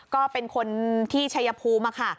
ก็เป็นคนที่ชัยภูมิค่ะ